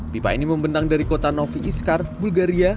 pipa ini membentang dari kota novi iskar bulgaria